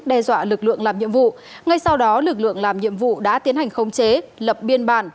đe dọa lực lượng làm nhiệm vụ ngay sau đó lực lượng làm nhiệm vụ đã tiến hành khống chế lập biên bản